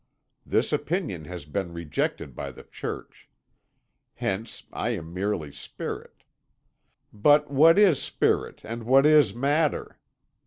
This opinion has been rejected by the Church; hence I am merely Spirit. But what is spirit and what is matter?